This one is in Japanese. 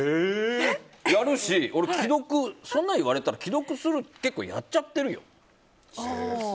やるし、そんなの言われたら既読スルーって結構やっちゃってるよ。